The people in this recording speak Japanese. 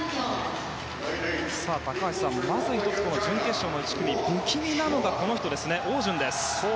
高橋さん、まず１つこの準決勝の１組で不気味なのがこの人、オウ・ジュンです。